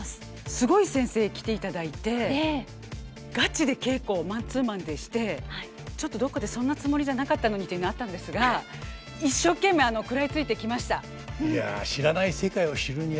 すごい先生来ていただいてガチで稽古をマンツーマンでしてちょっとどっかで「そんなつもりじゃなかったのに」というのあったんですが一生懸命食らいついてきました。